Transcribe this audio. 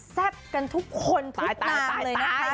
แซ่บกันทุกคนทุกต่างเลยนะคะ